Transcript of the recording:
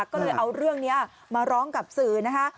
ก็เลยเอาเรื่องนี้มาร้องกับสื่อนะคะ